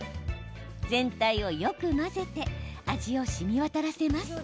全体をよく混ぜて味をしみ渡らせます。